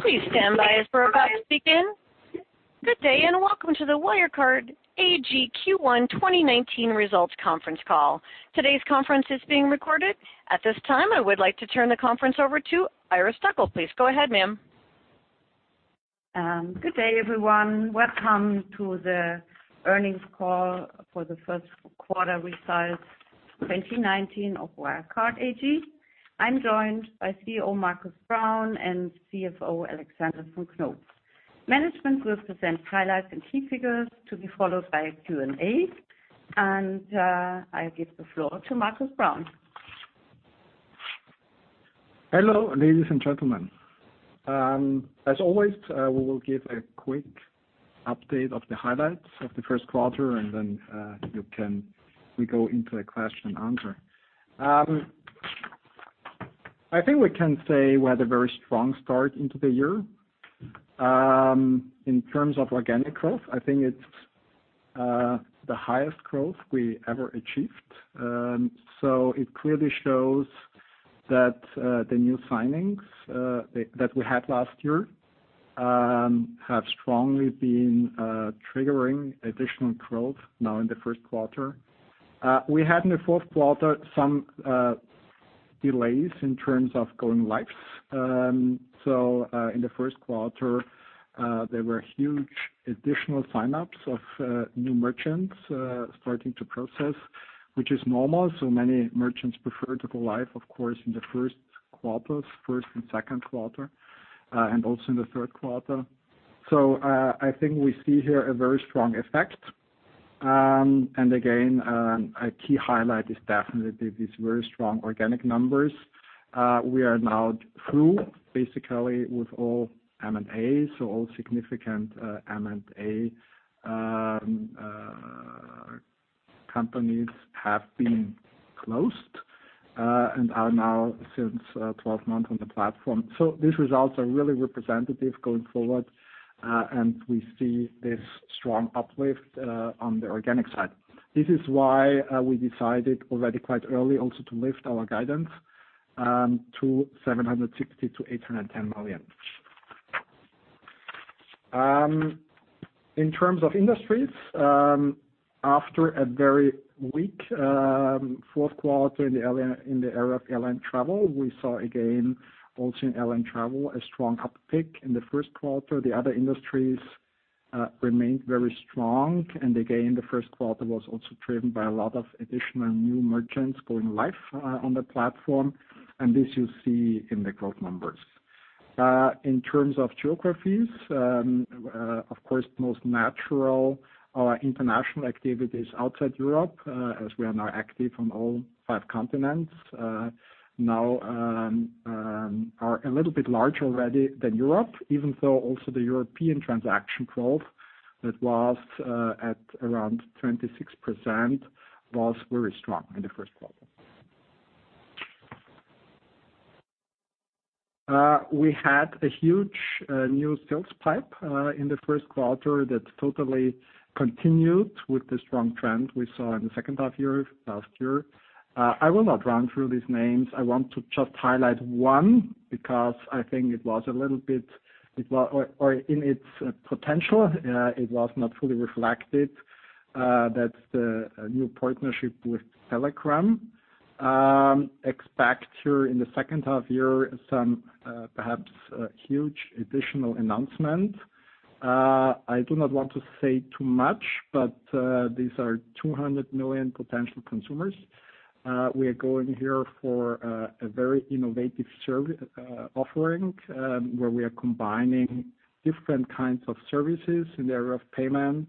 Please stand by as we're about to begin. Good day, welcome to the Wirecard AG Q1 2019 Results Conference Call. Today's conference is being recorded. At this time, I would like to turn the conference over to Iris Stöckl. Please go ahead, ma'am. Good day, everyone. Welcome to the earnings call for the first quarter results 2019 of Wirecard AG. I'm joined by CEO, Markus Braun, and CFO, Alexander von Knoop. Management will present highlights and key figures to be followed by a Q&A. I give the floor to Markus Braun. Hello, ladies and gentlemen. As always, we will give a quick update of the highlights of the first quarter then we go into a question and answer. I think we can say we had a very strong start into the year. In terms of organic growth, I think it's the highest growth we ever achieved. It clearly shows that the new signings that we had last year, have strongly been triggering additional growth now in the first quarter. We had in the fourth quarter some delays in terms of going lives. In the first quarter, there were huge additional sign-ups of new merchants, starting to process, which is normal. Many merchants prefer to go live, of course, in the first quarters, first and second quarter, and also in the third quarter. I think we see here a very strong effect. Again, a key highlight is definitely these very strong organic numbers. We are now through basically with all M&As, all significant M&A companies have been closed, are now since 12 months on the platform. These results are really representative going forward, we see this strong uplift on the organic side. This is why we decided already quite early also to lift our guidance, to 760 million-810 million. In terms of industries, after a very weak fourth quarter in the area of airline travel, we saw again also in airline travel, a strong uptick in the first quarter. The other industries remained very strong. Again, the first quarter was also driven by a lot of additional new merchants going live on the platform, this you see in the growth numbers. In terms of geographies, of course, most natural are international activities outside Europe, as we are now active on all five continents. We are now a little bit larger already than Europe, even though also the European transaction growth that was at around 26%, was very strong in the first quarter. We had a huge new sales pipe in the first quarter that totally continued with the strong trend we saw in the second half year, last year. I will not run through these names. I want to just highlight one because I think in its potential, it was not fully reflected. That is the new partnership with Telegram. Expect here in the second half year, some perhaps huge additional announcement. I do not want to say too much, but these are 200 million potential consumers. We are going here for a very innovative offering, where we are combining different kinds of services in the area of payment,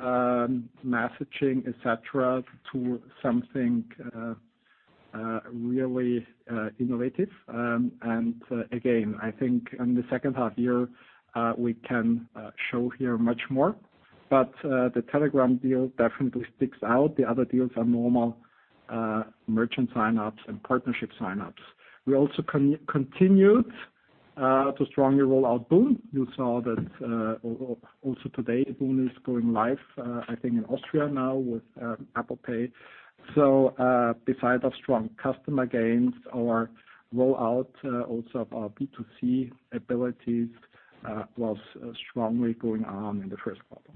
messaging, et cetera, to something really innovative. Again, I think in the second half year, we can show here much more. The Telegram deal definitely sticks out. The other deals are normal merchant sign-ups and partnership sign-ups. We also continued to strongly roll out boon. You saw that also today, boon is going live, I think, in Austria now with Apple Pay. Besides our strong customer gains, our rollout also of our B2C abilities, was strongly going on in the first quarter.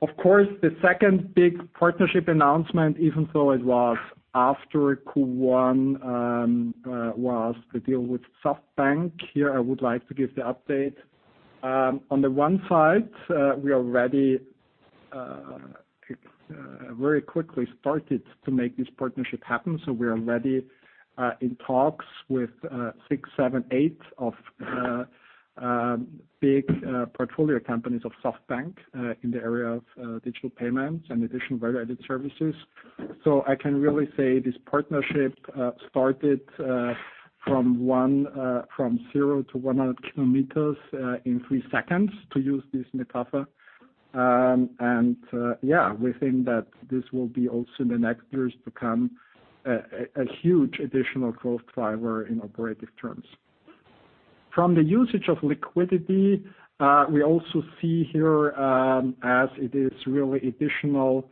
Of course, the second big partnership announcement, even though it was after Q1, was the deal with SoftBank. Here, I would like to give the update. On the one side, we already very quickly started to make this partnership happen, so we are already in talks with six, seven, eight of big portfolio companies of SoftBank, in the area of digital payments and additional value-added services. I can really say this partnership started from 0 to 100 kilometers in three seconds to use this metaphor. Yeah, we think that this will be also in the next years become a huge additional growth driver in operative terms. From the usage of liquidity, we also see here as it is really additional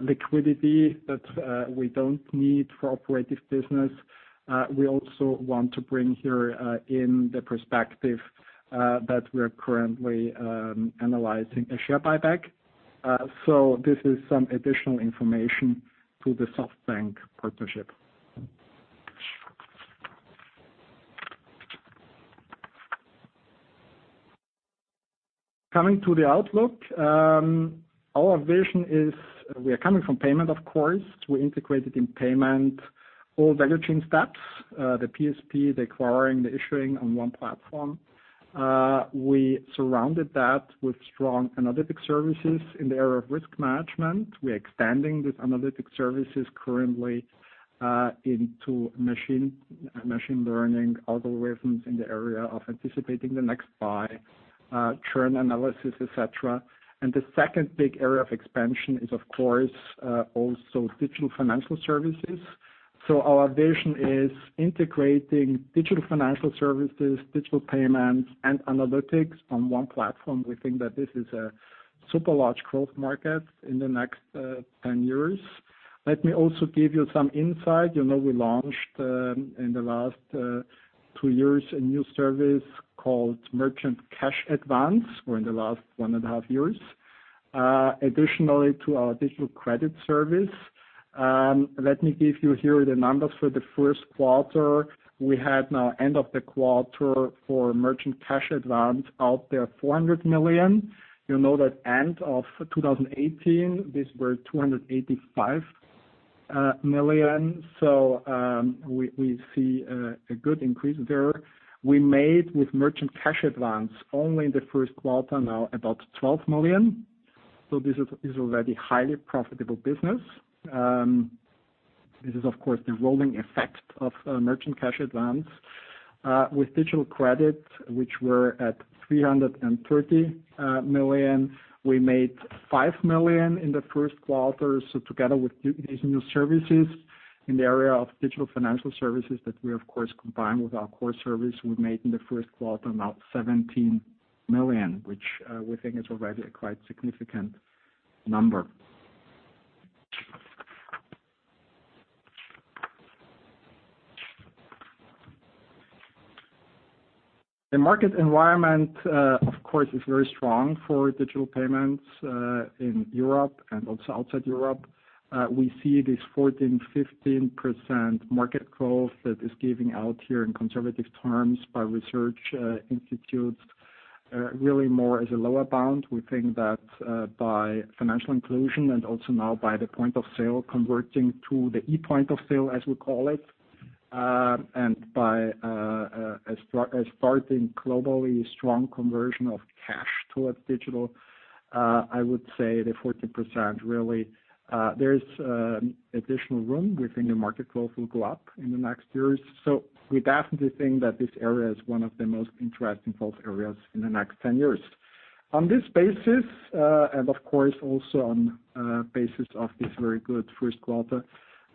liquidity that we do not need for operative business. We also want to bring here in the perspective that we are currently analyzing a share buyback. This is some additional information to the SoftBank partnership. Coming to the outlook. Our vision is we are coming from payment, of course. We integrated in payment all value chain steps, the PSP, the acquiring, the issuing on one platform. We surrounded that with strong analytic services in the area of risk management. We are expanding these analytic services currently into machine learning algorithms in the area of anticipating the next buy, churn analysis, et cetera. The second big area of expansion is of course, also digital financial services. Our vision is integrating digital financial services, digital payments, and analytics on one platform. We think that this is a super large growth market in the next 10 years. Let me also give you some insight. You know we launched, in the last two years, a new service called Merchant Cash Advance, or in the last one and a half years, additionally to our digital credit service. Let me give you here the numbers for the first quarter. We had now end of the quarter for Merchant Cash Advance out there, 400 million. You know that end of 2018, these were 285 million. We see a good increase there. We made with Merchant Cash Advance only in the first quarter now about 12 million. This is already highly profitable business. This is of course the rolling effect of Merchant Cash Advance. With digital credit, which were at 330 million, we made 5 million in the first quarter. Together with these new services in the area of digital financial services that we of course combined with our core service, we made in the first quarter about 17 million, which we think is already a quite significant number. The market environment, of course, is very strong for digital payments in Europe and also outside Europe. We see this 14%-15% market growth that is giving out here in conservative terms by research institutes, really more as a lower bound. We think that by financial inclusion and also now by the point of sale converting to the e-point of sale, as we call it, and by a starting globally strong conversion of cash towards digital, I would say the 14% really, there is additional room. We think the market growth will go up in the next years. We definitely think that this area is one of the most interesting growth areas in the next 10 years. On this basis, and of course also on basis of this very good first quarter,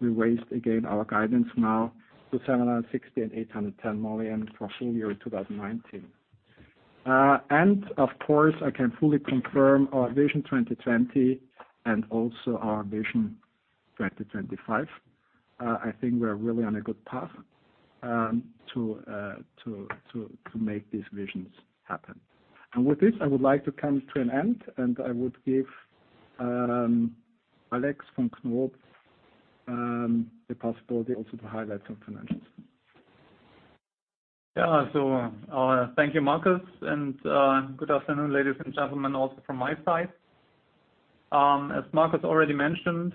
we raised again our guidance now to 760 million and 810 million for full year 2019. Of course, I can fully confirm our Vision 2020 and also our Vision 2025. I think we're really on a good path to make these visions happen. With this, I would like to come to an end, and I would give Alex von Knoop the possibility also to highlight some financials. Thank you, Markus, and good afternoon, ladies and gentlemen, also from my side. As Markus already mentioned,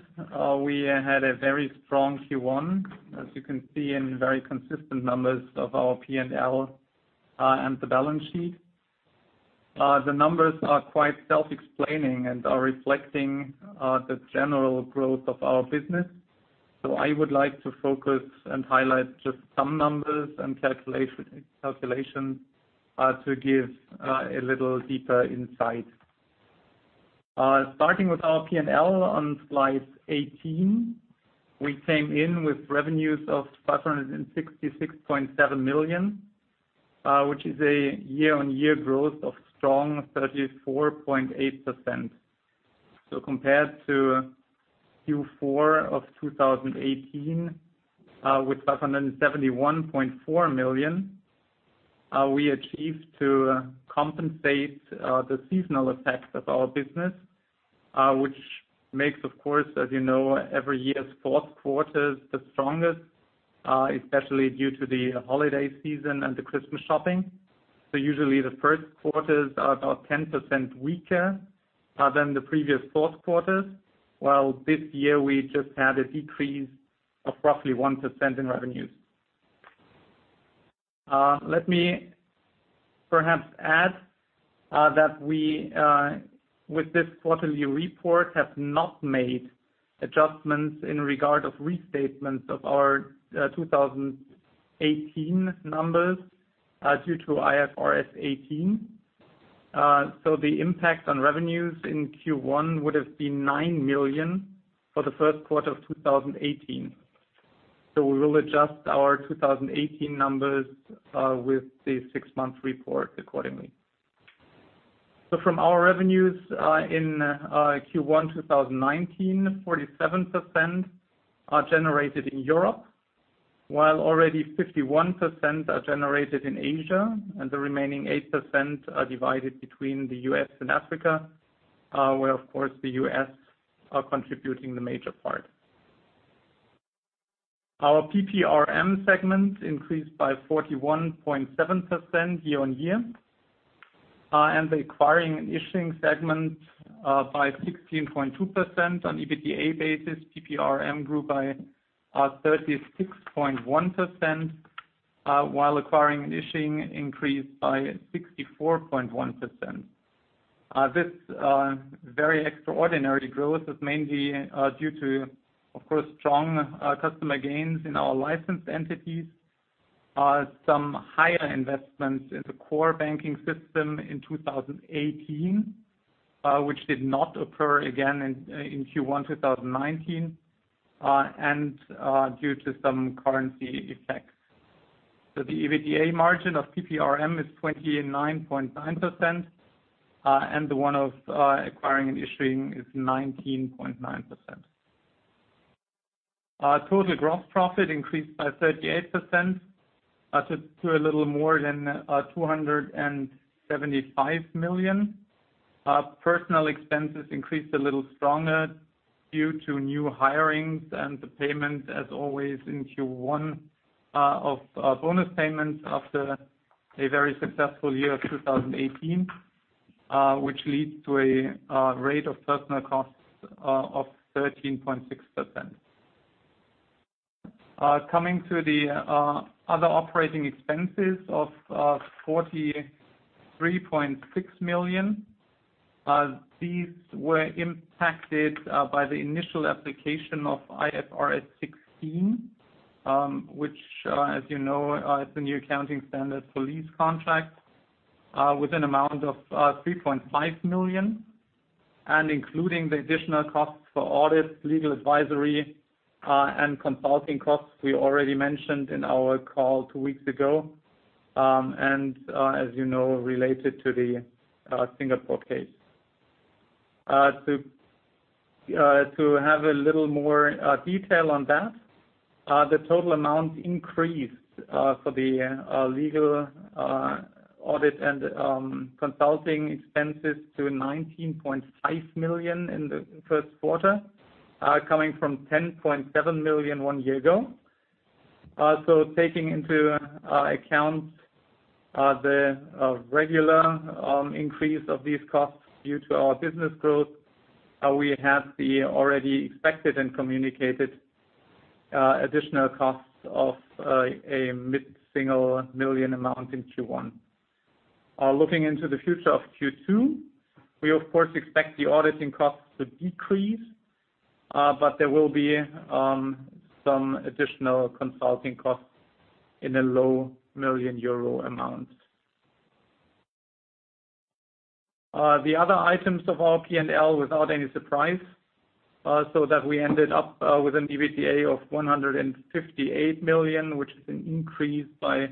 we had a very strong Q1, as you can see, and very consistent numbers of our P&L and the balance sheet. The numbers are quite self-explaining and are reflecting the general growth of our business. I would like to focus and highlight just some numbers and calculations to give a little deeper insight. Starting with our P&L on slide 18, we came in with revenues of 566.7 million, which is a year-on-year growth of strong 34.8%. Compared to Q4 of 2018, with 571.4 million, we achieved to compensate the seasonal effect of our business, which makes of course, as you know, every year's fourth quarter the strongest, especially due to the holiday season and the Christmas shopping. Usually the first quarters are about 10% weaker than the previous fourth quarters, while this year we just had a decrease of roughly 1% in revenues. Let me perhaps add that we, with this quarterly report, have not made adjustments in regard of restatements of our 2018 numbers due to IFRS 15. The impact on revenues in Q1 would have been 9 million for the first quarter of 2018. We will adjust our 2018 numbers with the six-month report accordingly. From our revenues in Q1 2019, 47% are generated in Europe, while already 51% are generated in Asia, and the remaining 8% are divided between the U.S. and Africa, where, of course, the U.S. are contributing the major part. Our PPRM segment increased by 41.7% year-on-year, and the acquiring and issuing segment by 16.2% on EBITDA basis. PPRM grew by 36.1%, while acquiring and issuing increased by 64.1%. This very extraordinary growth is mainly due to, of course, strong customer gains in our licensed entities, some higher investments in the core banking system in 2018, which did not occur again in Q1 2019, and due to some currency effects. The EBITDA margin of PPRM is 29.9%, and the one of acquiring and issuing is 19.9%. Total gross profit increased by 38% to a little more than 275 million. Personnel expenses increased a little stronger due to new hirings and the payments as always in Q1 of bonus payments after a very successful year of 2018, which leads to a rate of personnel costs of 13.6%. Coming to the other operating expenses of 43.6 million. These were impacted by the initial application of IFRS 16, which, as you know, is the new accounting standard for lease contracts with an amount of 3.5 million and including the additional costs for audit, legal advisory, and consulting costs we already mentioned in our call two weeks ago, and as you know, related to the Singapore case. To have a little more detail on that, the total amount increased for the legal audit and consulting expenses to 19.5 million in the first quarter, coming from 10.7 million one year ago. Taking into account the regular increase of these costs due to our business growth, we have the already expected and communicated additional costs of a mid-single million amount in Q1. Looking into the future of Q2, we of course expect the auditing costs to decrease, but there will be some additional consulting costs in a low million EUR amount. The other items of our P&L without any surprise, we ended up with an EBITDA of 158 million, which is an increase by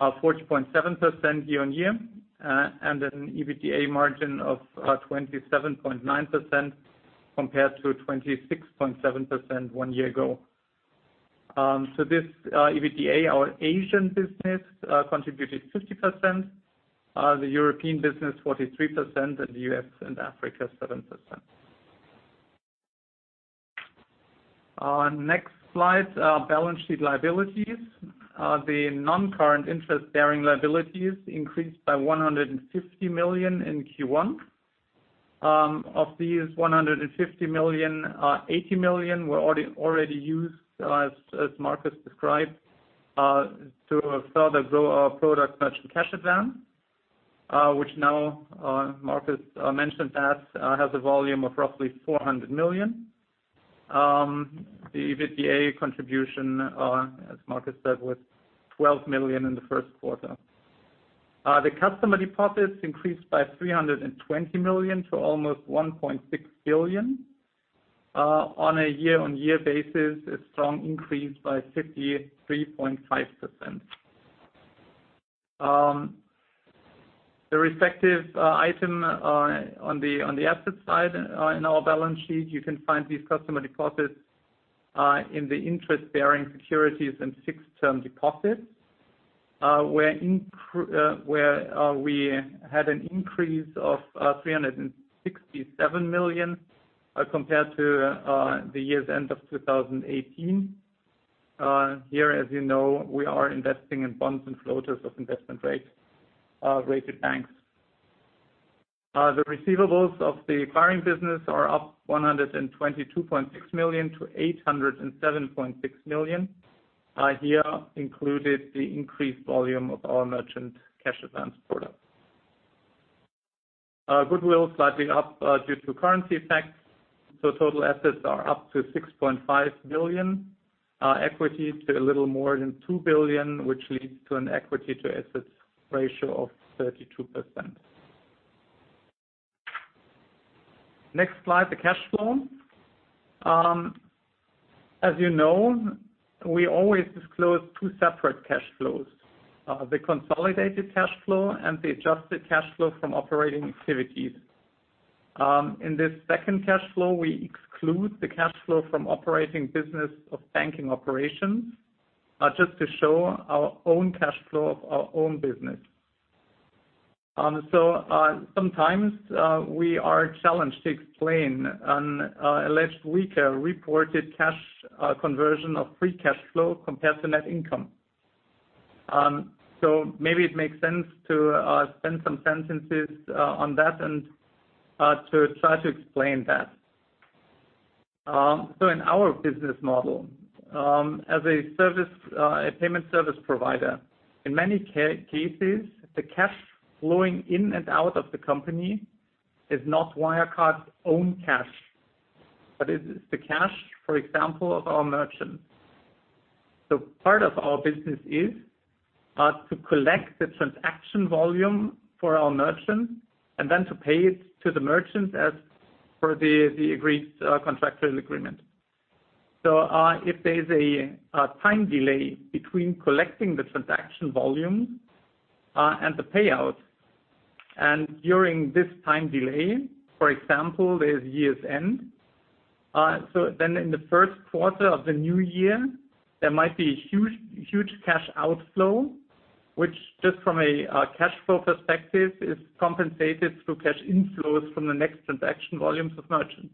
4.7% year-on-year, and an EBITDA margin of 27.9% compared to 26.7% one year ago. This EBITDA, our Asian business contributed 50%, the European business 43%, and the U.S. and Africa 7%. On next slide, our balance sheet liabilities. The non-current interest-bearing liabilities increased by 150 million in Q1. Of these 150 million, 80 million were already used, as Markus described, to further grow our product Merchant Cash Advance, which Markus mentioned that has a volume of roughly 400 million. The EBITDA contribution, as Markus said, was 12 million in the first quarter. The customer deposits increased by 320 million to almost 1.6 billion. On a year-on-year basis, a strong increase by 53.5%. The respective item on the asset side in our balance sheet, you can find these customer deposits in the interest-bearing securities and fixed-term deposits, where we had an increase of 367 million compared to the year's end of 2018. Here, as you know, we are investing in bonds and floaters of investment-rated banks. The receivables of the acquiring business are up 122.6 million to 807.6 million. Here, included the increased volume of our Merchant Cash Advance product. Goodwill slightly up due to currency effects. Total assets are up to 6.5 billion. Equity to a little more than 2 billion, which leads to an equity to assets ratio of 32%. Next slide, the cash flow. As you know, we always disclose two separate cash flows, the consolidated cash flow and the adjusted cash flow from operating activities. In this second cash flow, we exclude the cash flow from operating business of banking operations, just to show our own cash flow of our own business. Sometimes, we are challenged to explain on a less weaker reported cash conversion of free cash flow compared to net income. Maybe it makes sense to spend some sentences on that and to try to explain that. In our business model, as a payment service provider, in many cases, the cash flowing in and out of the company is not Wirecard's own cash, but it is the cash, for example, of our merchants. Part of our business is to collect the transaction volume for our merchants and then to pay it to the merchants as per the agreed contractual agreement. If there's a time delay between collecting the transaction volume and the payout, and during this time delay, for example, there's year's end, so then in the first quarter of the new year, there might be a huge cash outflow, which just from a cash flow perspective, is compensated through cash inflows from the next transaction volumes of merchants.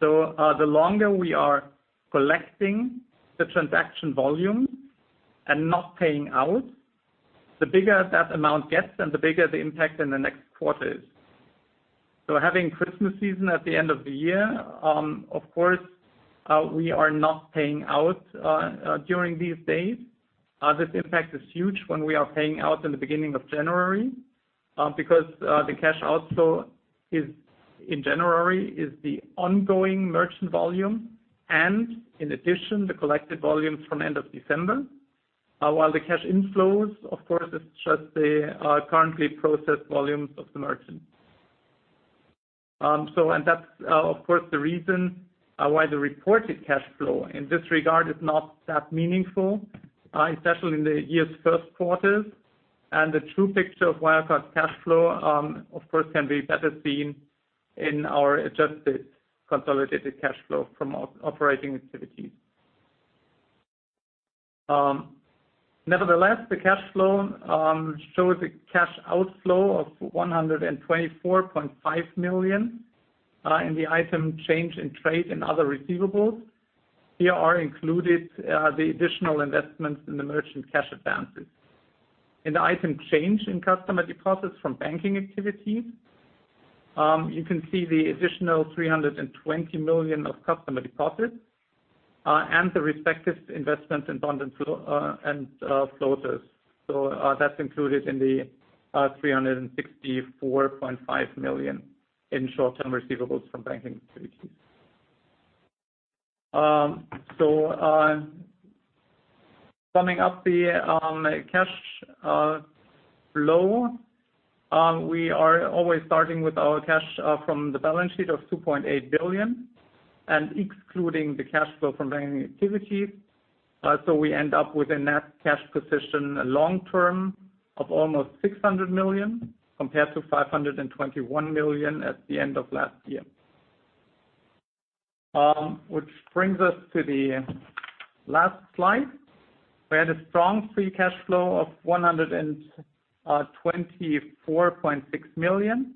The longer we are collecting the transaction volume and not paying out, the bigger that amount gets and the bigger the impact in the next quarter is. Having Christmas season at the end of the year, of course, we are not paying out during these days. This impact is huge when we are paying out in the beginning of January, because the cash outflow in January is the ongoing merchant volume, and in addition, the collected volumes from end of December, while the cash inflows, of course, it's just the currently processed volumes of the merchant. That's, of course, the reason why the reported cash flow in this regard is not that meaningful, especially in the year's first quarter. The true picture of Wirecard's cash flow, of course, can be better seen in our adjusted consolidated cash flow from operating activities. Nevertheless, the cash flow shows a cash outflow of 124.5 million in the item change in trade and other receivables. Here are included the additional investments in the Merchant Cash Advances. In the item change in customer deposits from banking activities, you can see the additional 320 million of customer deposits and the respective investments in bonds and floaters. That's included in the 364.5 million in short-term receivables from banking activities. Summing up the cash flow, we are always starting with our cash from the balance sheet of 2.8 billion and excluding the cash flow from banking activities. We end up with a net cash position long-term of almost 600 million compared to 521 million at the end of last year. Which brings us to the last slide. We had a strong free cash flow of 124.6 million.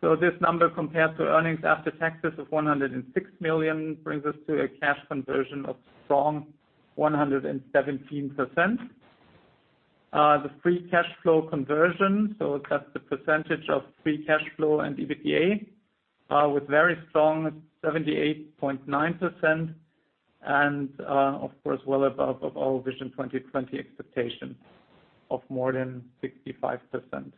This number compared to earnings after taxes of 106 million brings us to a cash conversion of strong 117%. The free cash flow conversion, so that's the percentage of free cash flow and EBITDA, was very strong at 78.9% and, of course, well above our Vision 2020 expectation of more than 65%.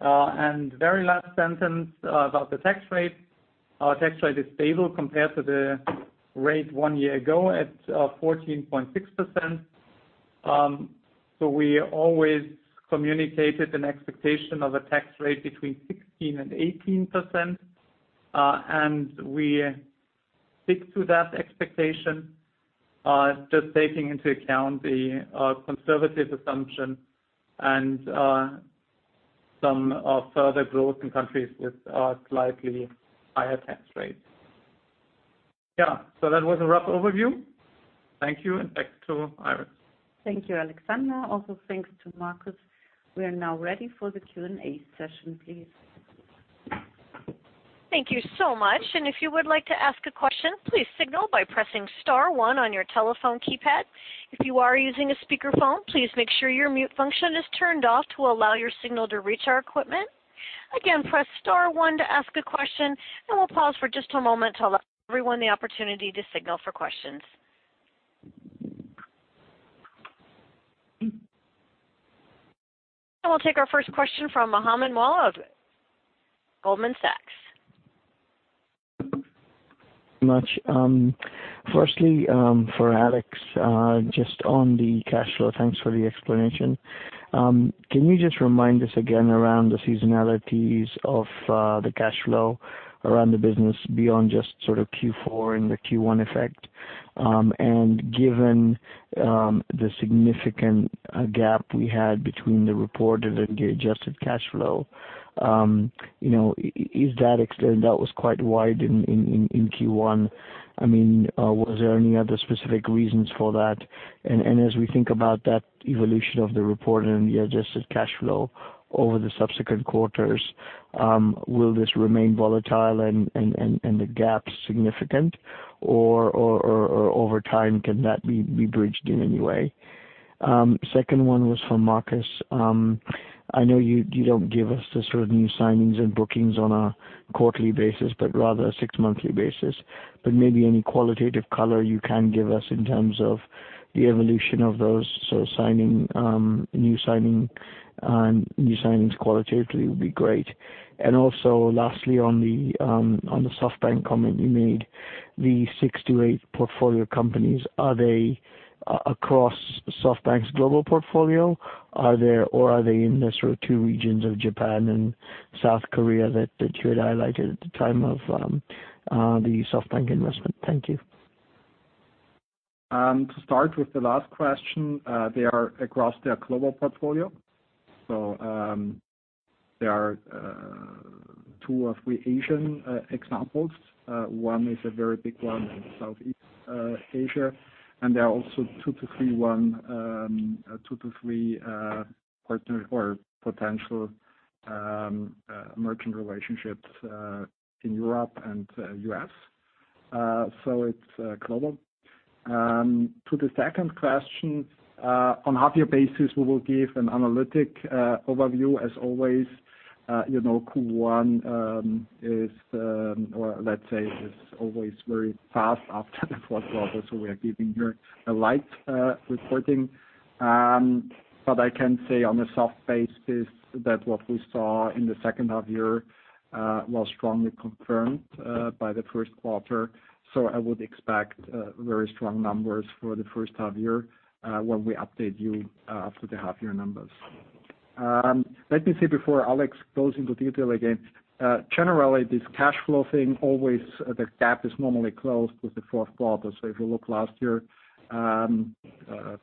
Very last sentence about the tax rate. Our tax rate is stable compared to the rate one year ago at 14.6%. We always communicated an expectation of a tax rate between 16% and 18%, and we stick to that expectation, just taking into account the conservative assumption and some further growth in countries with slightly higher tax rates. That was a rough overview. Thank you, and back to Iris. Thank you, Alexander. Also, thanks to Markus. We are now ready for the Q&A session, please. Thank you so much. If you would like to ask a question, please signal by pressing star one on your telephone keypad. If you are using a speakerphone, please make sure your mute function is turned off to allow your signal to reach our equipment. Again, press star one to ask a question, we'll pause for just a moment to allow everyone the opportunity to signal for questions. We'll take our first question from Mohammed Moawalla of Goldman Sachs. Thank you very much. Firstly, for Alex, just on the cash flow, thanks for the explanation. Can you just remind us again around the seasonalities of the cash flow around the business beyond just Q4 and the Q1 effect? Given the significant gap we had between the reported and the adjusted cash flow, that was quite wide in Q1, was there any other specific reasons for that? As we think about that evolution of the reported and the adjusted cash flow over the subsequent quarters, will this remain volatile and the gap significant? Or over time, can that be bridged in any way? Second one was for Markus. I know you don't give us the sort of new signings and bookings on a quarterly basis, but rather a six-monthly basis, but maybe any qualitative color you can give us in terms of the evolution of those new signings qualitatively would be great. Also lastly, on the SoftBank comment you made, the six to eight portfolio companies, are they across SoftBank's global portfolio? Or are they in the sort of two regions of Japan and South Korea that you had highlighted at the time of the SoftBank investment? Thank you. To start with the last question, they are across their global portfolio. There are two or three Asian examples. One is a very big one in Southeast Asia, and there are also two to three partners or potential merchant relationships in Europe and U.S. It's global. To the second question, on a half-year basis, we will give an analytic overview as always. Q1 is, let's say, is always very fast after the fourth quarter, so we are giving here a light reporting. I can say on a soft basis that what we saw in the second half year was strongly confirmed by the first quarter. I would expect very strong numbers for the first half year when we update you with the half-year numbers. Let me say before Alex goes into detail again, generally this cash flow thing, always the gap is normally closed with the fourth quarter. If you look last year,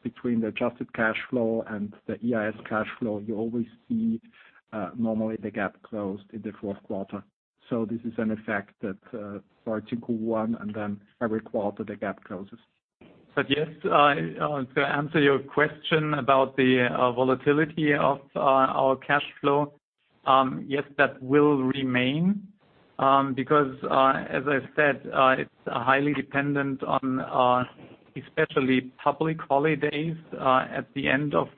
between the adjusted cash flow and the IFRS cash flow, you always see normally the gap closed in the fourth quarter. This is an effect that starts in Q1, and then every quarter, the gap closes. Yes, to answer your question about the volatility of our cash flow, yes, that will remain, because as I said, it's highly dependent on especially public holidays at the end of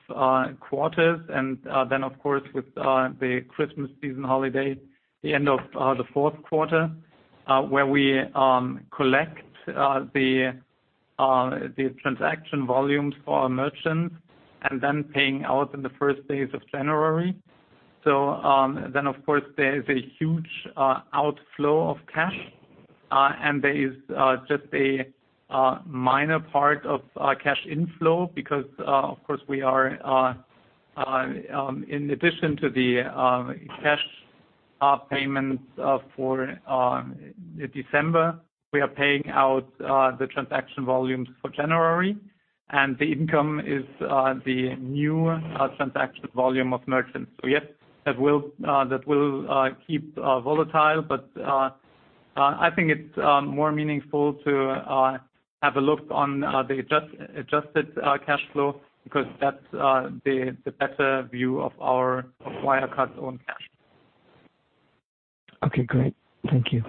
quarters, then of course, with the Christmas season holiday, the end of the fourth quarter, where we collect the transaction volumes for our merchants and then paying out in the first days of January. Of course, there is a huge outflow of cash, and there is just a minor part of cash inflow because, of course, in addition to the cash payments for December, we are paying out the transaction volumes for January, and the income is the new transaction volume of merchants. Yes, that will keep volatile, but I think it's more meaningful to have a look on the adjusted cash flow because that's the better view of Wirecard's own cash. Okay, great. Thank you.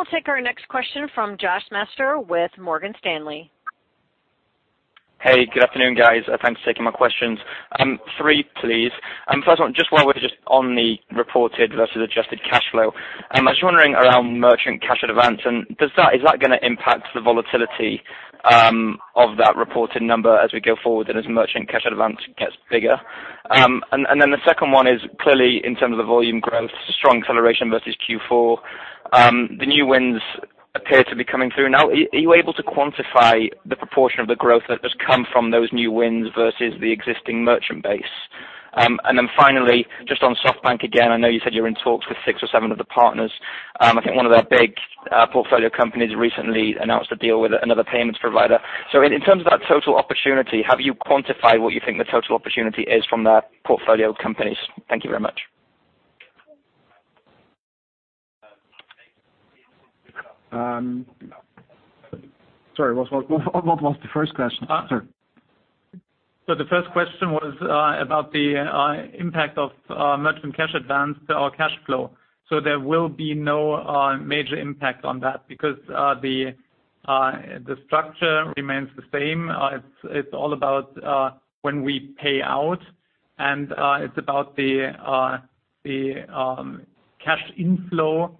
We'll take our next question from Justin Masters with Morgan Stanley. Hey, good afternoon, guys. Thanks for taking my questions. Three, please. First one, just while we're just on the reported versus adjusted cash flow, I was wondering around Merchant Cash Advance, is that going to impact the volatility of that reported number as we go forward and as Merchant Cash Advance gets bigger? The second one is clearly in terms of the volume growth, strong acceleration versus Q4. The new wins appear to be coming through now. Are you able to quantify the proportion of the growth that has come from those new wins versus the existing merchant base? Finally, just on SoftBank again, I know you said you're in talks with six or seven of the partners. I think one of their big portfolio companies recently announced a deal with another payments provider. In terms of that total opportunity, have you quantified what you think the total opportunity is from their portfolio companies? Thank you very much. Sorry, what was the first question? Sorry. The first question was about the impact of Merchant Cash Advance to our cash flow. There will be no major impact on that because the structure remains the same. It's all about when we pay out, and it's about the cash inflow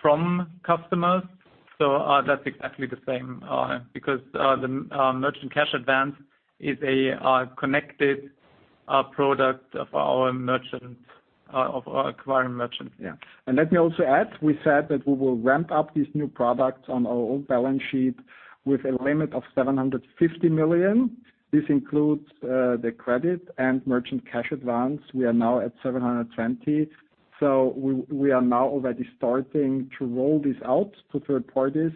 from customers. That's exactly the same, because the Merchant Cash Advance is a connected product of our acquiring merchants. Yeah. Let me also add, we said that we will ramp up these new products on our own balance sheet with a limit of 750 million. This includes the credit and Merchant Cash Advance. We are now at 720 million. We are now already starting to roll this out to third parties.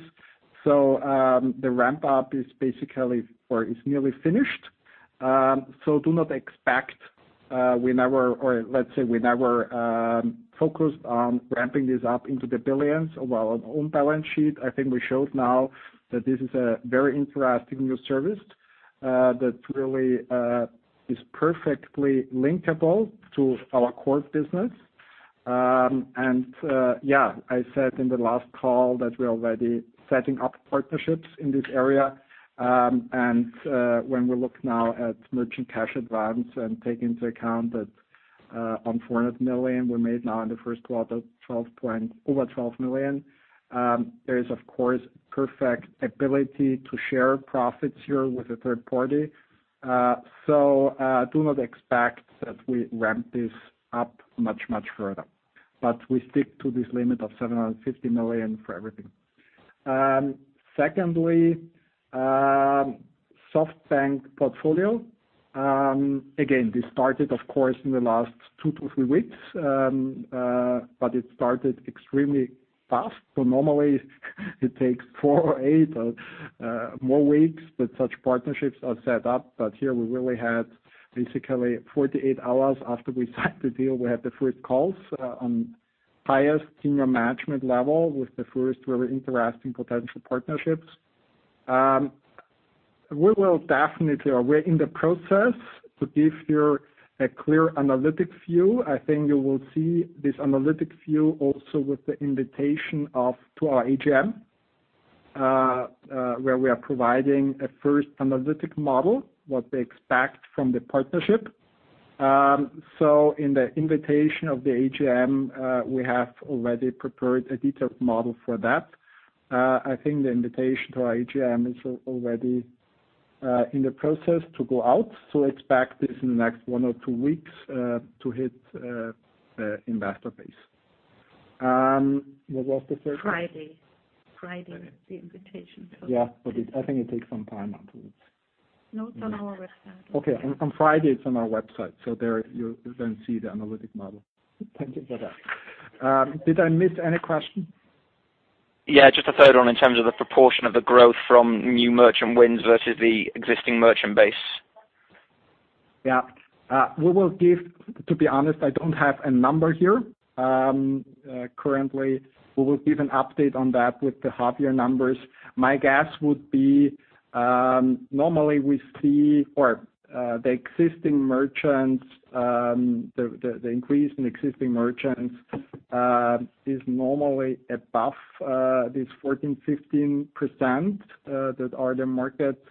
The ramp-up is basically, or is nearly finished. Do not expect, or let's say we never focused on ramping this up into the billions on our own balance sheet. I think we showed now that this is a very interesting new service that really is perfectly linkable to our core business. Yeah, I said in the last call that we're already setting up partnerships in this area. When we look now at Merchant Cash Advance and take into account that on 400 million, we made now in the first quarter over 12 million. There is, of course, perfect ability to share profits here with a third party. Do not expect that we ramp this up much, much further. We stick to this limit of 750 million for everything. Secondly, SoftBank portfolio. Again, this started, of course, in the last two to three weeks. It started extremely fast. Normally it takes four or eight or more weeks that such partnerships are set up. Here we really had basically four to eight hours after we signed the deal, we had the first calls on highest senior management level with the first really interesting potential partnerships. We will definitely, or we're in the process to give here a clear analytics view. I think you will see this analytics view also with the invitation to our AGM, where we are providing a first analytic model, what to expect from the partnership. In the invitation of the AGM, we have already prepared a detailed model for that. I think the invitation to our AGM is already in the process to go out, expect this in the next one or two weeks, to hit investor base. What was the third one? Friday. Yeah. I think it takes some time afterwards. No, it's on our website. Okay. On Friday, it's on our website. There you then see the analytic model. Thank you for that. Did I miss any question? Yeah, just a third one in terms of the proportion of the growth from new merchant wins versus the existing merchant base. Yeah. To be honest, I don't have a number here. Currently we will give an update on that with the half-year numbers. My guess would be, normally we see, or the increase in existing merchants is normally above this 14%, 15% that are the market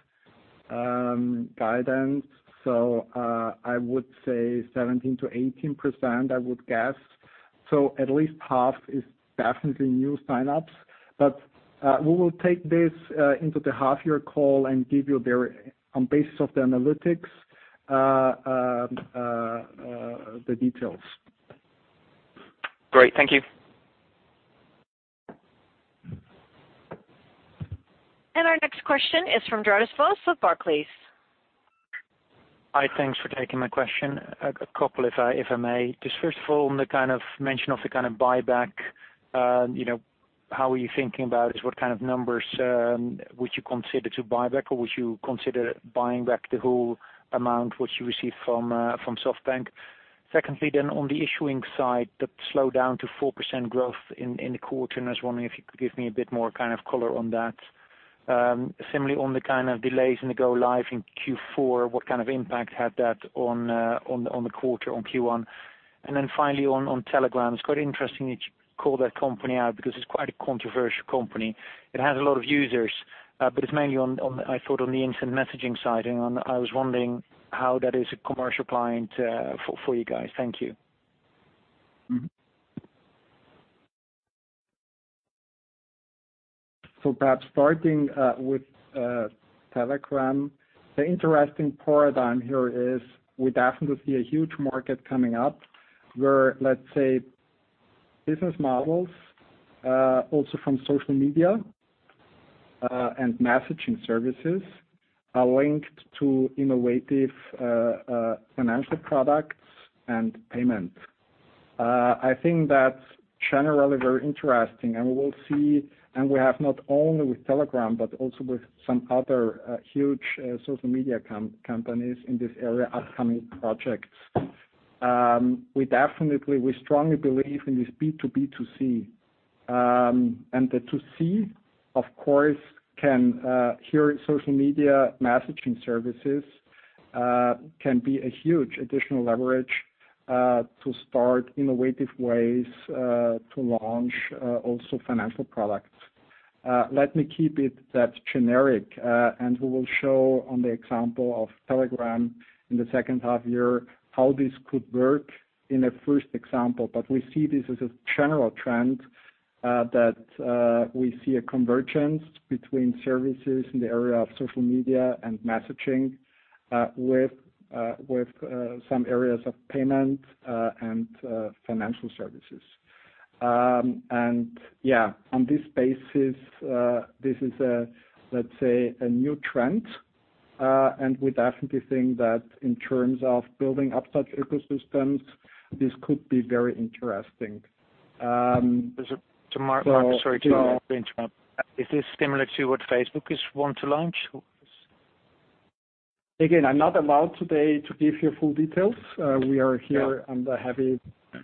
guidance. I would say 17%-18%, I would guess. At least half is definitely new sign-ups. We will take this into the half-year call and give you, on basis of the analytics, the details. Great. Thank you. Our next question is from Gerardus Vos with Barclays. Hi. Thanks for taking my question. A couple, if I may. First of all, on the kind of mention of the kind of buyback, how are you thinking about it? What kind of numbers would you consider to buy back, or would you consider buying back the whole amount which you received from SoftBank? Secondly, on the issuing side, the slowdown to 4% growth in the quarter, I was wondering if you could give me a bit more kind of color on that. Similarly, on the kind of delays in the go live in Q4, what kind of impact had that on the quarter, on Q1? Finally on Telegram. It's quite interesting that you call that company out because it's quite a controversial company. It has a lot of users, but it's mainly on, I thought, on the instant messaging side. I was wondering how that is a commercial client for you guys. Thank you. Perhaps starting with Telegram. The interesting paradigm here is we definitely see a huge market coming up where, let's say business models, also from social media, and messaging services are linked to innovative financial products and payment. I think that's generally very interesting. We have not only with Telegram, but also with some other huge social media companies in this area are coming projects. We definitely, we strongly believe in this B2B2C. The 2C, of course, here social media messaging services, can be a huge additional leverage, to start innovative ways to launch also financial products. Let me keep it that generic, and we will show on the example of Telegram in the second half year how this could work in a first example. We see this as a general trend that we see a convergence between services in the area of social media and messaging with some areas of payment and financial services. On this basis, this is a, let's say, a new trend. We definitely think that in terms of building up such ecosystems, this could be very interesting. Mark, sorry to interrupt. Is this similar to what Facebook is want to launch? Again, I'm not allowed today to give you full details. We are here under heavy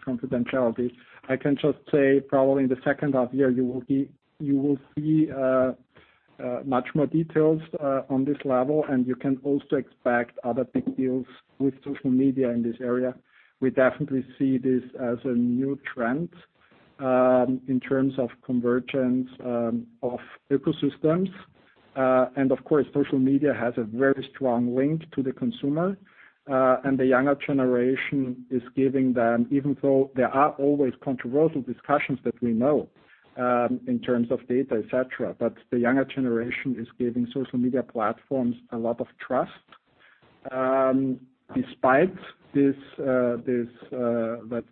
confidentiality. I can just say probably in the second half year you will see much more details on this level, and you can also expect other big deals with social media in this area. We definitely see this as a new trend in terms of convergence of ecosystems. Of course, social media has a very strong link to the consumer. The younger generation is giving them, even though there are always controversial discussions that we know in terms of data, et cetera. The younger generation is giving social media platforms a lot of trust despite, let's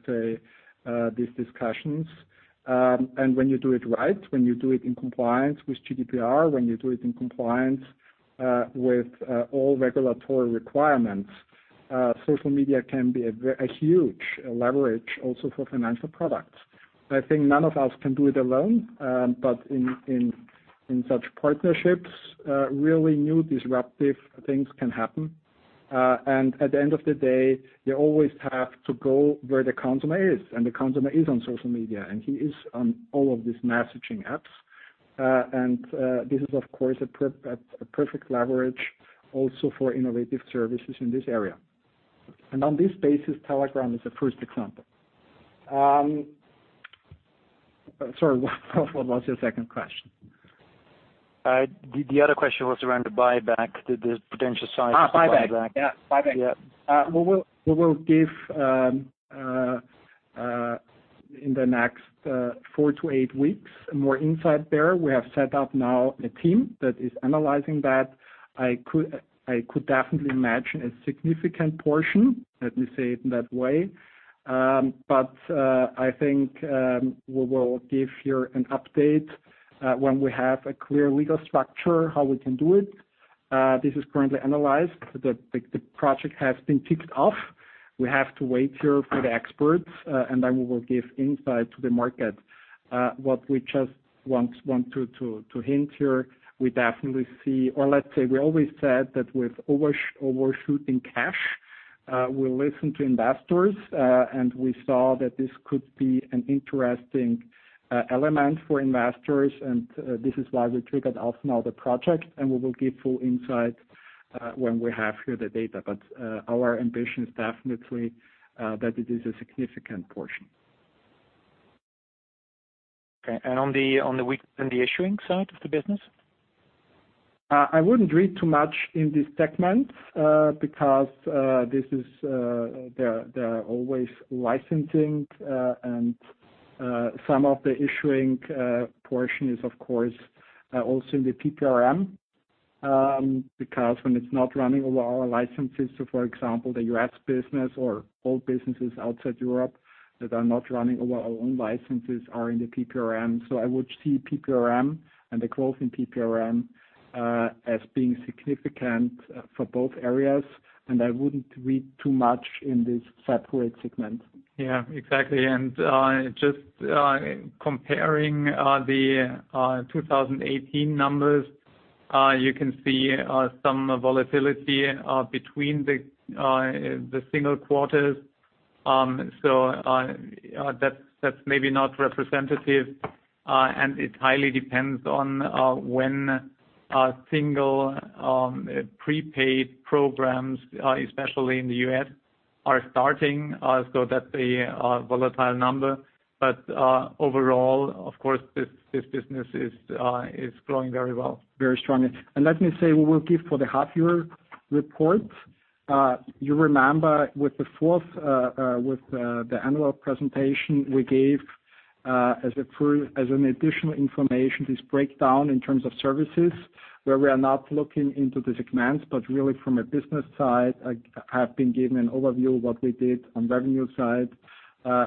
say, these discussions. When you do it right, when you do it in compliance with GDPR, when you do it in compliance with all regulatory requirements, social media can be a huge leverage also for financial products. I think none of us can do it alone. In such partnerships, really new disruptive things can happen. At the end of the day, you always have to go where the consumer is, and the consumer is on social media, and he is on all of these messaging apps. This is of course, a perfect leverage also for innovative services in this area. On this basis, Telegram is the first example. Sorry, what was your second question? The other question was around the buyback, the potential size of the buyback. Buyback. Yeah. Buyback. Yeah. We will give in the next four to eight weeks, more insight there. We have set up now a team that is analyzing that. I could definitely imagine a significant portion. Let me say it in that way. I think we will give here an update when we have a clear legal structure, how we can do it. This is currently analyzed. The project has been kicked off. We have to wait here for the experts, and then we will give insight to the market. What we just want to hint here, we definitely see, or let's say, we always said that with overshooting cash, we listen to investors, and we saw that this could be an interesting element for investors, and this is why we triggered off now the project, and we will give full insight when we have here the data. Our ambition is definitely that it is a significant portion. Okay. On the issuing side of the business? I wouldn't read too much in this segment, because there are always licensing, and some of the issuing portion is, of course, also in the PPRM, because when it's not running over our licenses, so for example, the U.S. business or all businesses outside Europe that are not running over our own licenses are in the PPRM. I would see PPRM and the growth in PPRM as being significant for both areas, and I wouldn't read too much in this separate segment. Yeah, exactly. Just comparing the 2018 numbers, you can see some volatility between the single quarters. That's maybe not representative, and it highly depends on when single prepaid programs, especially in the U.S., are starting. That's a volatile number. Overall, of course, this business is growing very well. Very strongly. Let me say, we will give for the half-year report. You remember with the annual presentation we gave as an additional information, this breakdown in terms of services where we are not looking into the segments, but really from a business side, I have been giving an overview of what we did on revenue side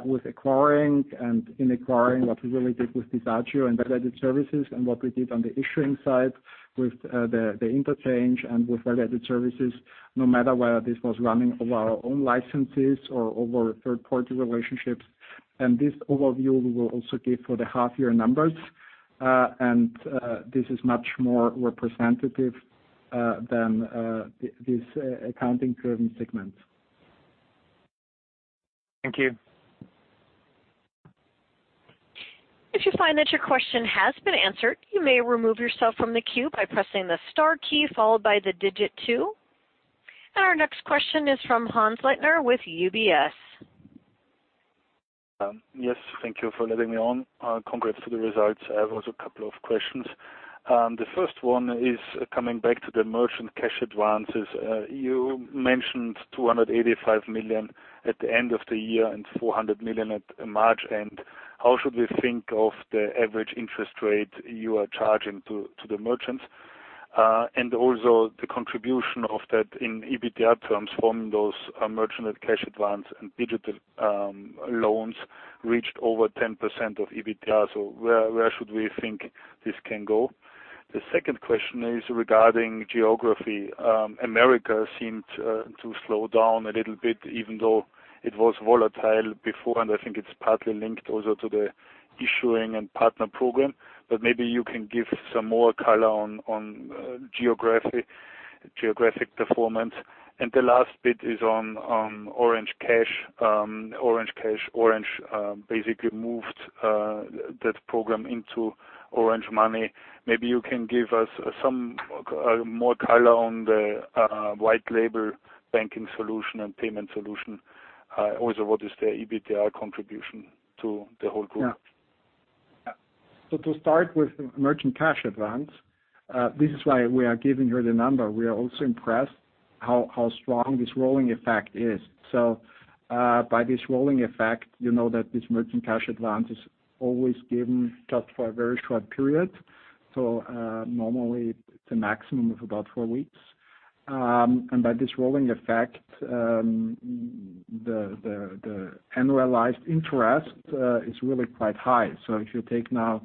with acquiring and in acquiring what we really did with Visa and value-added services, and what we did on the issuing side with the interchange and with value-added services, no matter whether this was running over our own licenses or over third-party relationships. This overview, we will also give for the half-year numbers. This is much more representative than this accounting term segment. Thank you. If you find that your question has been answered, you may remove yourself from the queue by pressing the star key followed by the digit 2. Our next question is from Hannes Leitner with UBS. Yes. Thank you for letting me on. Congrats to the results. I have also a couple of questions. The first one is coming back to the Merchant Cash Advances. You mentioned 285 million at the end of the year and 400 million at March. How should we think of the average interest rate you are charging to the merchants? Also the contribution of that in EBITDA terms from those Merchant Cash Advance and digital loans reached over 10% of EBITDA. Where should we think this can go? The second question is regarding geography. America seemed to slow down a little bit, even though it was volatile before, and I think it's partly linked also to the issuing and partner program. But maybe you can give some more color on geographic performance. The last bit is on Orange Cash. Orange basically moved that program into Orange Money. Maybe you can give us some more color on the white label banking solution and payment solution. Also, what is the EBITDA contribution to the whole group? To start with Merchant Cash Advance, this is why we are giving you the number. We are also impressed how strong this rolling effect is. By this rolling effect, you know that this Merchant Cash Advance is always given just for a very short period. Normally it's a maximum of about four weeks. By this rolling effect, the annualized interest is really quite high. If you take now,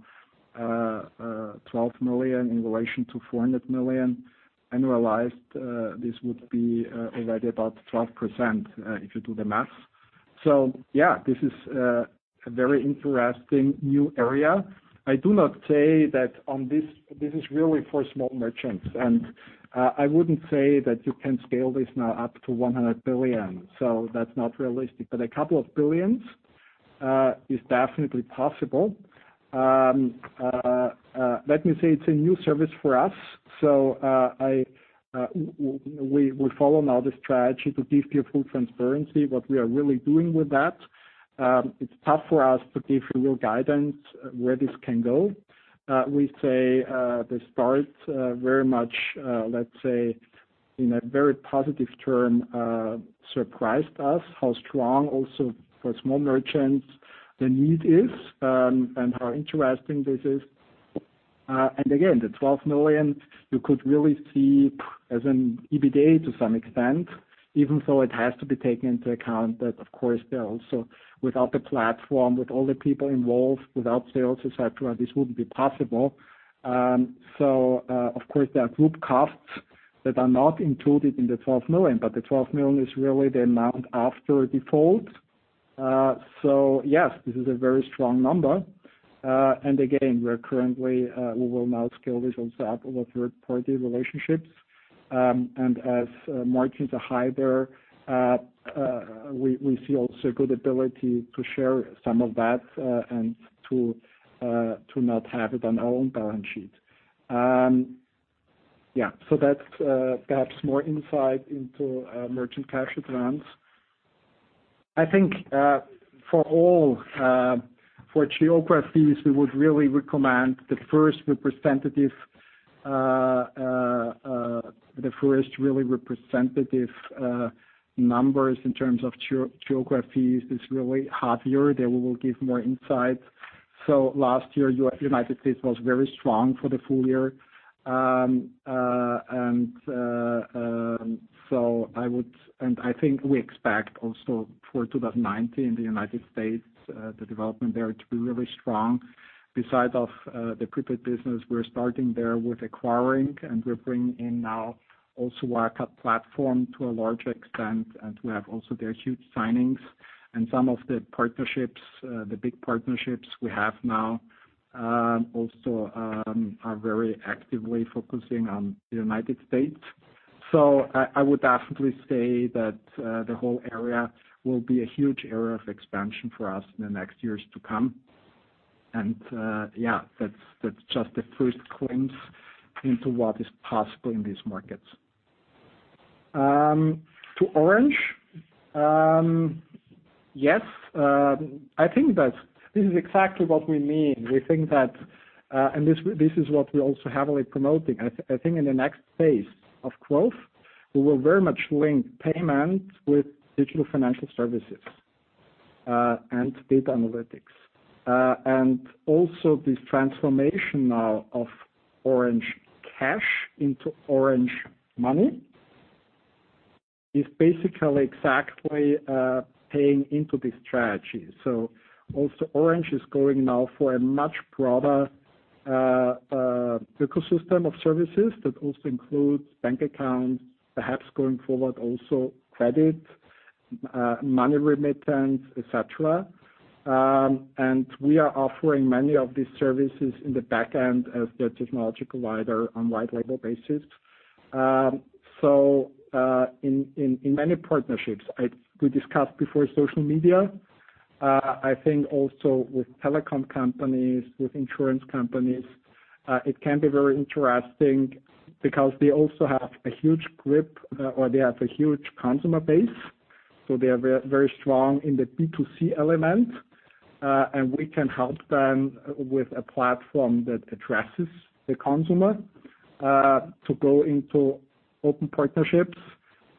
12 million in relation to 400 million annualized, this would be already about 12%, if you do the math. This is a very interesting new area. I do not say that. This is really for small merchants. I wouldn't say that you can scale this now up to 100 billion. That's not realistic, but a couple of billion EUR is definitely possible. Let me say, it's a new service for us. We follow now the strategy to give you full transparency, what we are really doing with that. It's tough for us to give you real guidance where this can go. We say, the start very much, let's say, in a very positive term, surprised us how strong also for small merchants the need is, and how interesting this is. Again, the 12 million you could really see as an EBITDA to some extent, even so it has to be taken into account that, of course, without the platform, with all the people involved, without sales, et cetera, this wouldn't be possible. Of course, there are group costs that are not included in the 12 million, but the 12 million is really the amount after default. Yes, this is a very strong number. Again, we will now scale this also up with third-party relationships. As margins are high there, we see also good ability to share some of that, and to not have it on our own balance sheet. That's perhaps more insight into Merchant Cash Advance. For geographies, we would really recommend the first really representative numbers in terms of geographies is really half year. They will give more insights. Last year, United States was very strong for the full year. I think we expect also for 2019, the United States, the development there to be really strong. Besides of the prepaid business, we're starting there with acquiring, we're bringing in now also Wirecard platform to a large extent, we have also their huge signings. Some of the big partnerships we have now, also are very actively focusing on the U.S. I would definitely say that the whole area will be a huge area of expansion for us in the next years to come. Yeah, that's just the first glimpse into what is possible in these markets. To Orange. Yes, I think that this is exactly what we mean. We think that, and this is what we're also heavily promoting. I think in the next phase of growth, we will very much link payment with digital financial services, and data analytics. Also this transformation now of Orange Cash into Orange Money is basically exactly paying into this strategy. Also Orange is going now for a much broader ecosystem of services that also includes bank accounts, perhaps going forward also credit, money remittance, et cetera. We are offering many of these services in the back end as the technological provider on white label basis. In many partnerships, we discussed before social media. I think also with telecom companies, with insurance companies, it can be very interesting because they also have a huge grip or they have a huge consumer base. They are very strong in the B2C element, and we can help them with a platform that addresses the consumer to go into open partnerships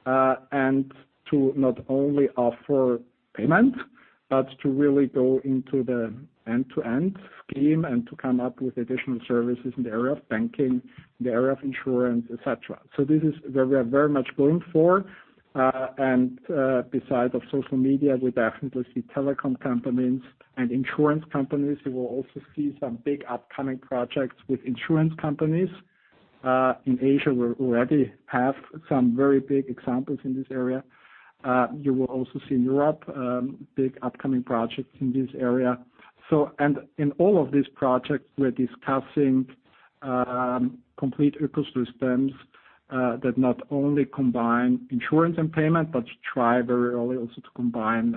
and to not only offer payment, but to really go into the end-to-end scheme and to come up with additional services in the area of banking, in the area of insurance, et cetera. This is where we are very much going for. Beside of social media, we definitely see telecom companies and insurance companies. You will also see some big upcoming projects with insurance companies. In Asia, we already have some very big examples in this area. You will also see in Europe, big upcoming projects in this area. In all of these projects, we're discussing complete ecosystems that not only combine insurance and payment, but try very early also to combine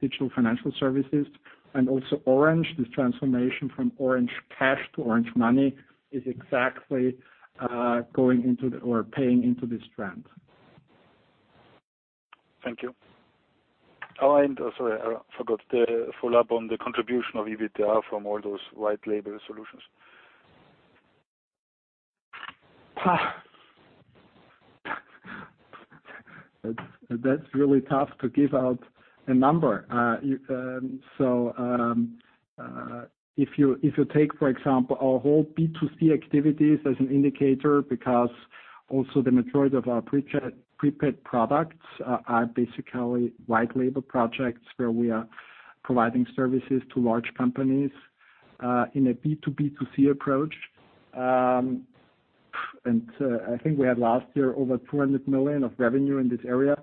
digital financial services. Also Orange, this transformation from Orange Cash to Orange Money is exactly paying into this trend. Thank you. Sorry, I forgot the follow-up on the contribution of EBITDA from all those white label solutions. That's really tough to give out a number. If you take, for example, our whole B2C activities as an indicator, because also the majority of our prepaid products are basically white label projects where we are providing services to large companies, in a B2B2C approach. I think we had last year over 200 million of revenue in this area.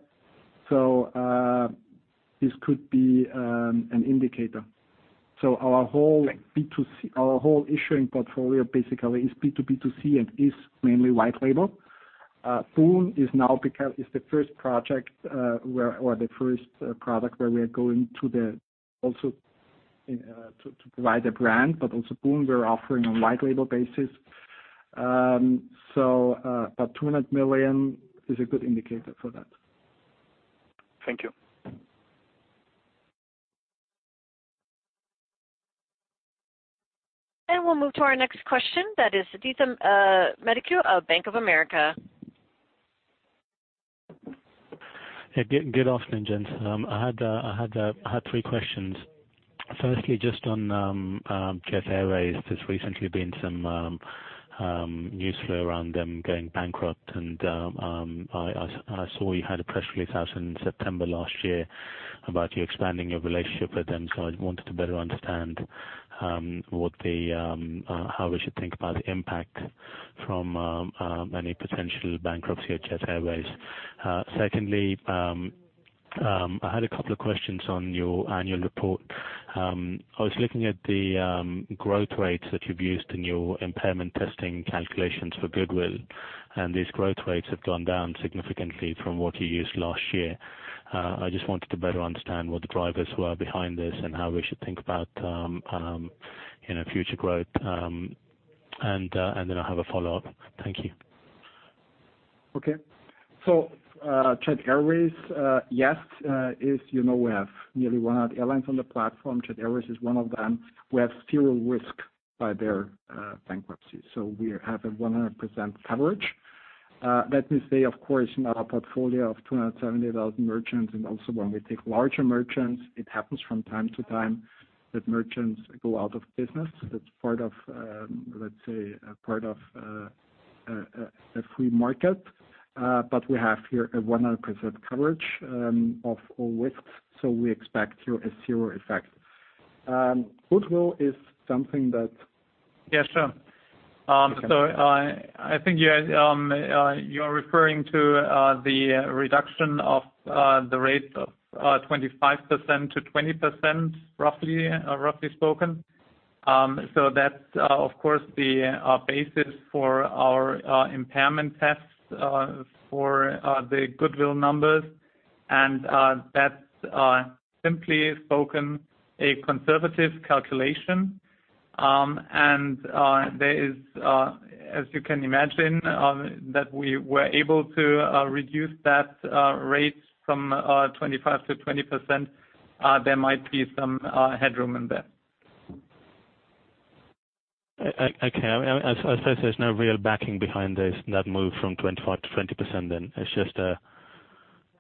This could be an indicator. Right Issuing portfolio basically is B2B2C and is mainly white label. Boon is the first project, or the first product where we are going to provide a brand, but also Boon, we're offering on white label basis. About 200 million is a good indicator for that. Thank you. We'll move to our next question, that is Adithya Metuku of Bank of America. Hey, good afternoon, gents. I had three questions. Firstly, just on Jet Airways. There's recently been some news flow around them going bankrupt, and I saw you had a press release out in September last year about you expanding your relationship with them. I wanted to better understand how we should think about the impact from any potential bankruptcy of Jet Airways. Secondly, I had a couple of questions on your annual report. I was looking at the growth rates that you've used in your impairment testing calculations for goodwill, and these growth rates have gone down significantly from what you used last year. I just wanted to better understand what the drivers were behind this and how we should think about future growth. Then I have a follow-up. Thank you. Okay. Jet Airways, yes. As you know, we have nearly 100 airlines on the platform. Jet Airways is one of them. We have zero risk by their bankruptcy. We have 100% coverage. That means, say, of course, in our portfolio of 270,000 merchants and also when we take larger merchants, it happens from time to time that merchants go out of business. That's part of a free market. But we have here a 100% coverage of all risks, we expect here a zero effect. Goodwill is something that. Yeah, sure. I think you're referring to the reduction of the rate of 25% to 20%, roughly spoken. That's, of course, the basis for our impairment tests for the goodwill numbers, and that's simply spoken, a conservative calculation. There is, as you can imagine, that we were able to reduce that rate from 25% to 20%. There might be some headroom in there. Okay. I suppose there's no real backing behind this, that move from 25% to 20% then.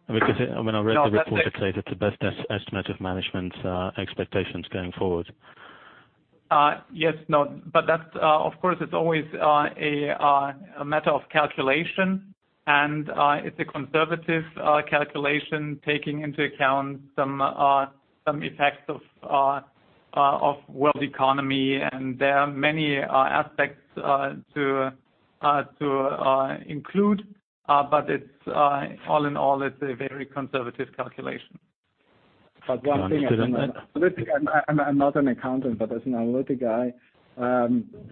Because when I read the report, it says it's the best estimate of management's expectations going forward. Yes, but that, of course, it's always a matter of calculation, and it's a conservative calculation taking into account some effects of world economy, and there are many aspects to include, but all in all, it's a very conservative calculation. One thing. Understood on that. I'm not an accountant, but as an analytic guy,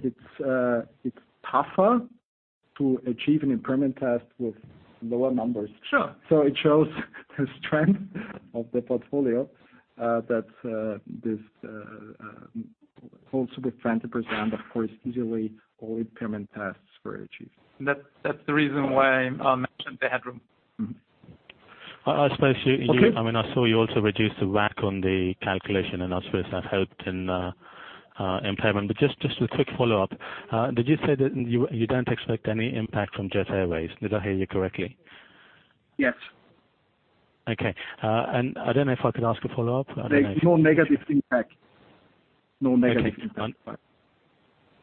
it's tougher to achieve an impairment test with lower numbers. Sure. It shows the strength of the portfolio, that this holds with 20%, of course, easily all impairment tests were achieved. That's the reason why I mentioned the headroom. I suppose you Okay I saw you also reduced the WACC on the calculation, and I suppose that helped in impairment. Just a quick follow-up. Did you say that you don't expect any impact from Jet Airways? Did I hear you correctly? Yes. Okay. I don't know if I could ask a follow-up. There's no negative impact. No negative impact. Okay.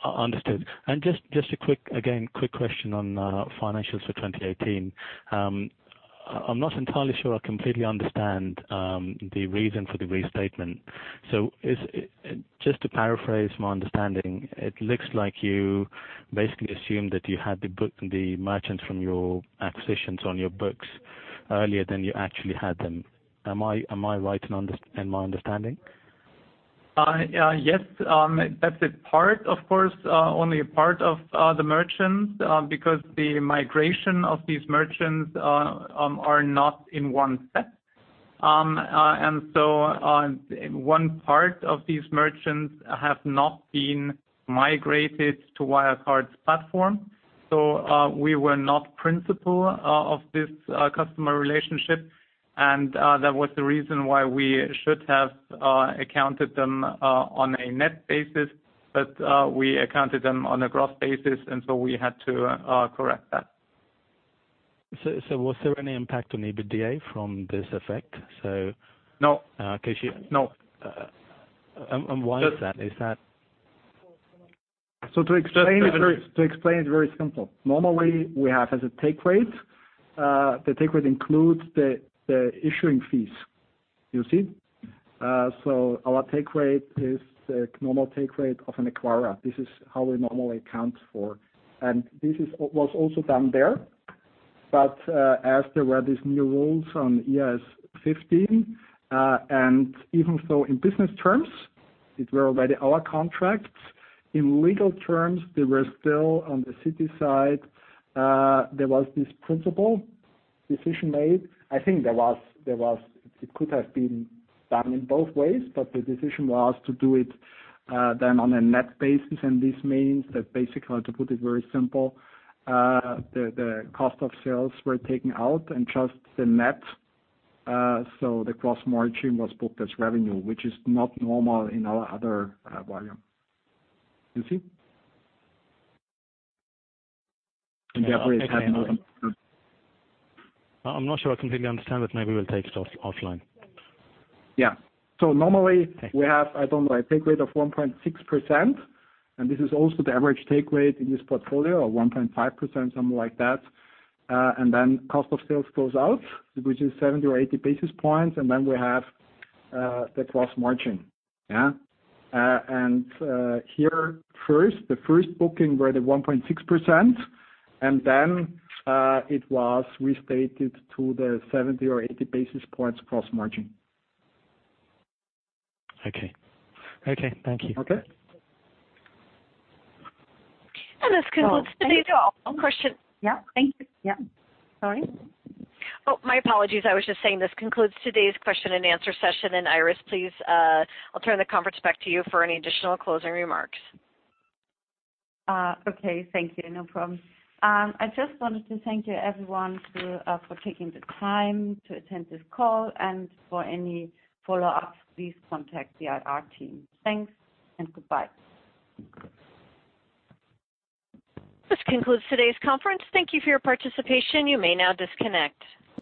Understood. Just, again, a quick question on financials for 2018. I'm not entirely sure I completely understand the reason for the restatement. Just to paraphrase my understanding, it looks like you basically assumed that you had the merchants from your acquisitions on your books earlier than you actually had them. Am I right in my understanding? Yes. That's a part, of course, only a part of the merchants, because the migration of these merchants are not in one step. One part of these merchants have not been migrated to Wirecard's platform. We were not principal of this customer relationship, and that was the reason why we should have accounted them on a net basis, but we accounted them on a gross basis, and so we had to correct that. Was there any impact on EBITDA from this effect? No. Okay. No. Why is that? To explain, it's very simple. Normally, we have as a take rate, the take rate includes the issuing fees. You see? Our take rate is the normal take rate of an acquirer. This is how we normally account for. This was also done there, but as there were these new rules on IFRS 15, and even so in business terms, it were already our contracts. In legal terms, they were still on the city side. There was this principle decision made. I think it could have been done in both ways, but the decision was to do it then on a net basis, and this means that basically, to put it very simple, the cost of sales were taken out and just the net. The gross margin was booked as revenue, which is not normal in our other volume. You see? Yeah. Okay. I'm not sure I completely understand, but maybe we'll take it offline. Yeah. Normally we have, I don't know, a take rate of 1.6%, and this is also the average take rate in this portfolio of 1.5%, something like that. Cost of sales goes out, which is 70 or 80 basis points, and then we have the gross margin. Yeah. Here, the first booking were the 1.6%, and then it was restated to the 70 or 80 basis points gross margin. Okay. Thank you. Okay. This concludes today's call. Yeah. Thank you. Yeah. Sorry. My apologies. I was just saying this concludes today's question and answer session. Iris, please, I'll turn the conference back to you for any additional closing remarks. Okay. Thank you. No problem. I just wanted to thank you, everyone, for taking the time to attend this call, and for any follow-ups, please contact the IR team. Thanks and goodbye. This concludes today's conference. Thank you for your participation. You may now disconnect.